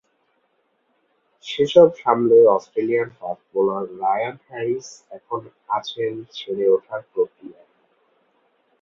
সেসব সামলে Australian fast bowler Ryan Harris এখন আছেন সেরে ওঠার প্রক্রিয়ায়।